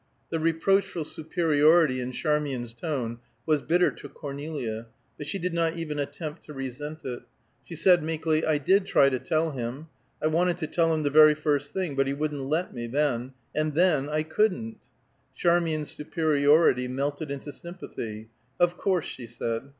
The reproachful superiority in Charmian's tone was bitter to Cornelia, but she did not even attempt to resent it. She said meekly, "I did try to tell him. I wanted to tell him the very first thing, but he wouldn't let me, then; and then I couldn't." Charmian's superiority melted into sympathy: "Of course," she said.